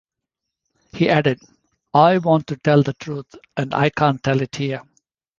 He added: I want to tell the truth, and I can't tell it here.